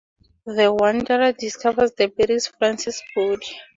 The Wanderer discovers and buries Francis' body.